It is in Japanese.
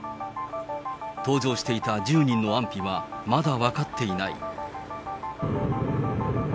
搭乗していた１０人の安否はまだ分かっていない。